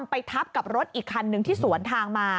ไปทับกับรถอีกคันนึงที่สวนทางมา